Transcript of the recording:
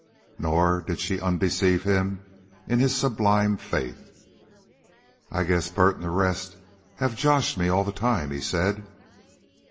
Nor did she undeceive him in his sublime faith. "I guess Bert an' the rest have joshed me all the time," he said.